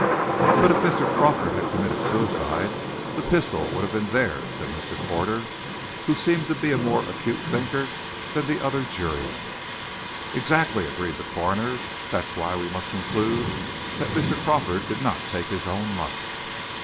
"But if Mr. Crawford had committed suicide, the pistol would have been there," said Mr. Porter; who seemed to be a more acute thinker than the other jurymen. "Exactly," agreed the coroner. "That's why we must conclude that Mr. Crawford did not take his own life."